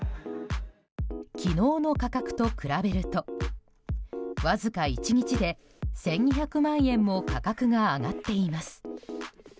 昨日の価格と比べるとわずか１日で１２００万円も価格が上がっています。